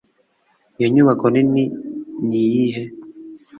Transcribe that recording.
iyo nyubako nini nini niyihe